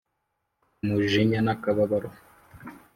umujinya n' akababaro